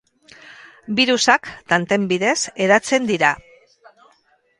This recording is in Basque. Birusak tanten bidez hedatzen dira.